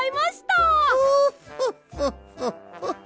フォッフォッフォッフォッフォッ。